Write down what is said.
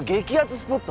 スポット